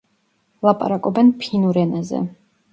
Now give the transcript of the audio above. ლაპარაკობენ ფინურ ენაზე.